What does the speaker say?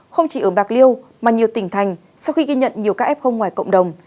không chỉ ở bạc liêu mà nhiều tỉnh thành sau khi ghi nhận nhiều ca f ngoài cộng đồng